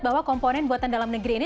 bahwa komponen buatan dalam negeri ini